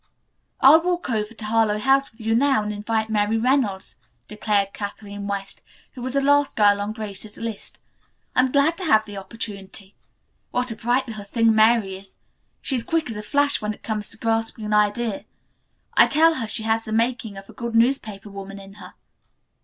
"I'll walk over to Harlowe House with you now and invite Mary Reynolds," declared Kathleen West, who was the last girl on Grace's list. "I'm glad to have the opportunity. What a bright little thing Mary is! She is quick as a flash when it comes to grasping an idea. I tell her she has the making of a good newspaper woman in her."